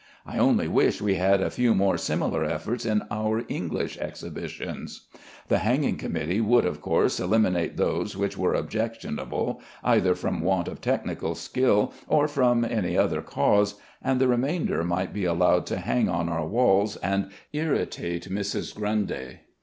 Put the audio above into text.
I only wish we had a few more similar efforts in our English exhibitions. The Hanging Committee would, of course, eliminate those which were objectionable either from want of technical skill or from any other cause, and the remainder might be allowed to hang on our walls and irritate Mrs. Grundy.